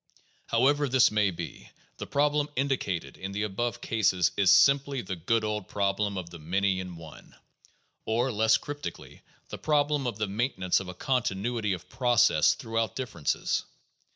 However this may be, the problem indicated in the above cases is simply the good old problem of the many in one, or, less cryp tically, the problem of the maintenance of a continuity of process throughout differences.